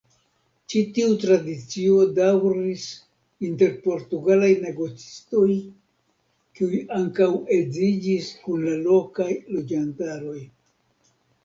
Ĉi tiu tradicio daŭris inter portugalaj negocistoj kiuj ankaŭ edziĝis kun la lokaj loĝantaroj.